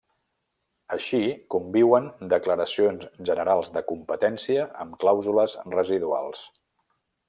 Així, conviuen declaracions generals de competència amb clàusules residuals.